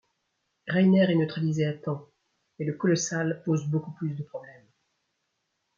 Reiner est neutralisé à temps mais le Colossal pose beaucoup plus de problèmes.